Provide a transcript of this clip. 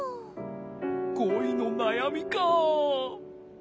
こいのなやみか。